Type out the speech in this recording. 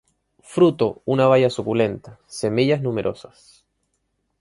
Fruto una baya suculenta; semillas numerosas.